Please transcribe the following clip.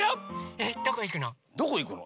えっどこいくの？